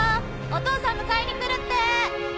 お父さん迎えに来るって。